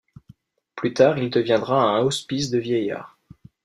Plus tard, il deviendra un hospice de vieillards.